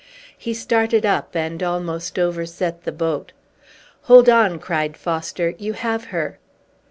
He started up, and almost overset the boat. "Hold on!" cried Foster; "you have her!"